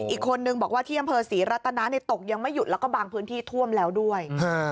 อีกคนนึงบอกว่าที่อำเภอศรีรัตนาตกยังไม่หยุดแล้วก็บางพื้นที่ท่วมแล้วด้วย